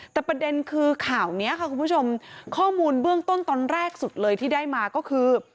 แต่ประเด็นคือข่าวนี้ค่ะคุณผู้ชมข้อมูลเบื้องต้นตอนแรกสุดเลยที่ได้มาก็คือ